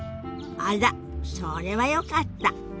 あらそれはよかった。